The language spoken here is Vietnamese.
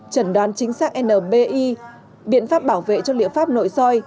trần đoán chính xác nbi biện pháp bảo vệ cho liệu pháp nội soi